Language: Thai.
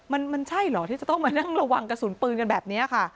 มันใช่เหรอที่จะต้องมานั่งระวังกระสุนปืนกันแบบนี้ค่ะ